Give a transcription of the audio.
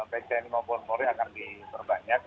rekan rekan kami dan mereka akan diperbanyak